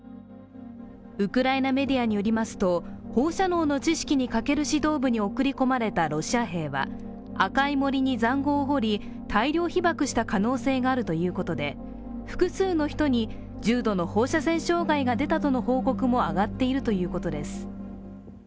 ウクライナメディアによりますと放射能の知識に欠ける指導部に送り込まれたロシア兵は赤い森に塹壕を掘り、大量被ばくした可能性があるということで、複数の人に重度の放射線障害が出たとの報告も上がっているということです。